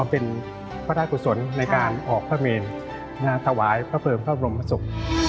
เป็นพระราชกุศลในการออกพระเมนถวายพระเพิงพระบรมศพ